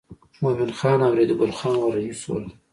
مومن خان او ریډي ګل خان ور رهي شول.